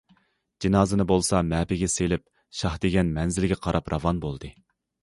جىنازىنى بولسا مەپىگە سېلىپ، شاھ دېگەن مەنزىلگە قاراپ راۋان بولدى.